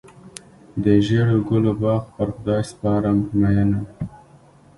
د ژړو ګلو باغ پر خدای سپارم مینه.